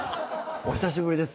お久しぶりです。